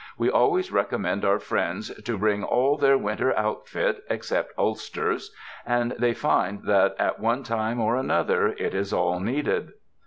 We always recommend our friends to bring all their winter outfit (except ulsters) and they find that at one time or another, it is all needed.